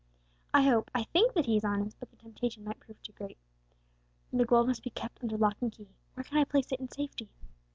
I hope, I think that he is honest; but the temptation might prove too great. The gold must be kept under lock and key, where can I place it in safety?"